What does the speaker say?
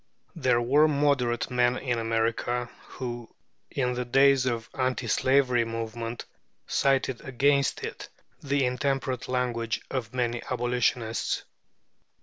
There were moderate men in America, who, in the days of the anti slavery movement, cited against it the intemperate language of many abolitionists.